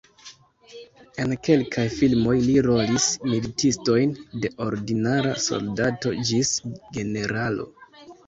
En kelkaj filmoj li rolis militistojn de ordinara soldato ĝis generalo.